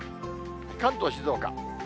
関東、静岡。